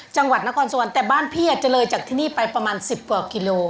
จังหวัดนครสวรรค์แต่บ้านพี่จะเลยจากที่นี่ไปประมาณ๑๐กว่ากิโล